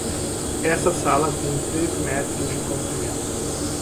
Essa sala tem três metros de comprimento.